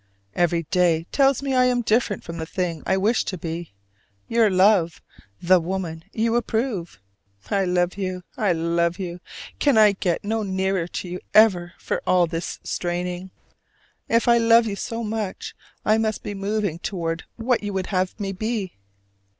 Every day tells me I am different from the thing I wish to be your love, the woman you approve. I love you, I love you! Can I get no nearer to you ever for all this straining? If I love you so much, I must be moving toward what you would have me be.